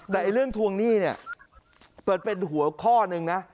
แต่เรื่องทวงหนี้เนี่ยเปิดเป็นหัวข้อหนึ่งนะ